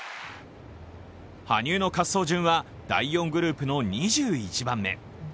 羽生の滑走順は第４グループの２１番目。